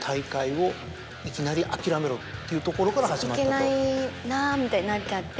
行けないなみたいになっちゃって。